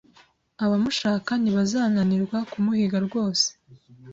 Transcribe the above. Abamushaka ntibazananirwa kumuhiga rwose